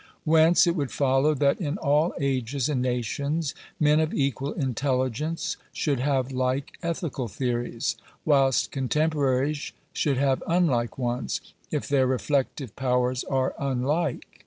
Whence it would follow, that in all ages and na tions, men of equal intelligence should have like ethical theories, whilst contemporaries should have unlike ones, if their reflective powers are unlike.